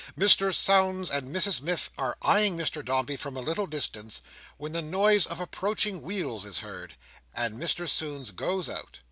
Mr Sownds and Mrs Miff are eyeing Mr Dombey from a little distance, when the noise of approaching wheels is heard, and Mr Sownds goes out.